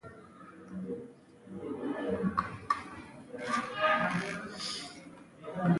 تیمورشاه په کابل کې وو.